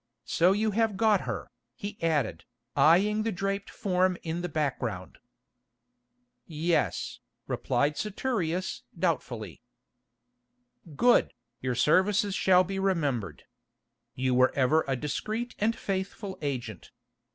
So you have got her," he added, eyeing the draped form in the background. "Yes," replied Saturius doubtfully. "Good, your services shall be remembered. You were ever a discreet and faithful agent.